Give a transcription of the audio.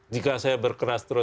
jika saya berkeras terus